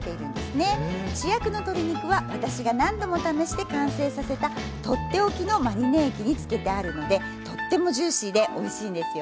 主役の鶏肉は私が何度も試して完成させたとっておきのマリネ液に漬けてあるのでとってもジューシーでおいしいんですよ。